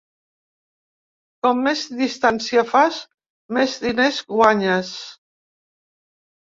Com més distància fas, més diners guanyes.